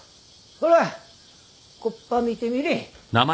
ほらこっば見てみれ。